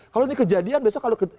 kalau ini kejadian besok kalau